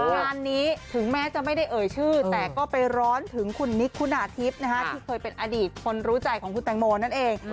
งานนี้ถึงแม้จะไม่ได้เอ่ยชื่อแต่ก็ไปร้อนถึงคุณนิกคุณาทิพย์ที่เคยเป็นอดีตคนรู้ใจของคุณแตงโมนั่นเอง